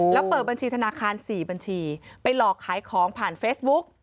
แล้วเปิดบัญชีธนาคาร๔บัญชีไปหลอกขายของผ่านเฟซบุ๊ก